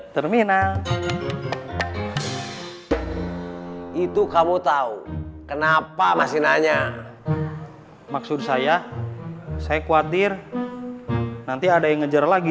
terminal itu kamu tahu kenapa masih nanya maksud saya saya khawatir nanti ada yang ngejar lagi